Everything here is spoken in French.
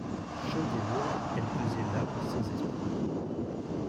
Chaude et lourde, elle pesait là, sans espoir.